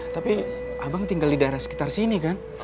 tapi abang tinggal di daerah sekitar sini kan